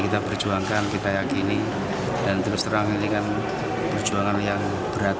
kita berjuangkan kita yakini dan terus terang ini kan perjuangan yang berat